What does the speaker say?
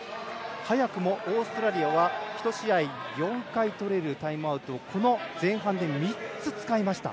早くもオーストラリアは１試合４回とれるタイムアウトを前半で３つ使いました。